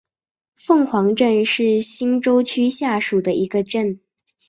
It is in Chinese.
凤凰镇是新洲区下属的一个镇。